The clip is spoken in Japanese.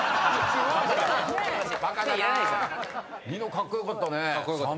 ニノカッコ良かったね。